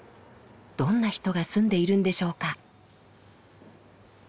どんな人が住んでいるんでしょうか？